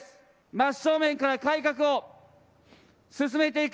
真っ正面から改革を進めていく。